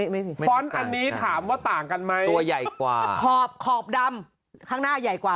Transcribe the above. เพราะฉะนั้นอันนี้ถามว่าต่างกันไหมตัวใหญ่กว่าขอบขอบดำข้างหน้าใหญ่กว่า